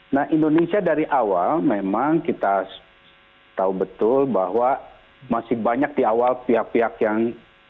nah indonesia dari awal memang kita tahu betul bahwa masih banyak di awal pihak pihak yang